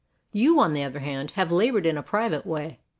You, on the other hand, have labored in a private way.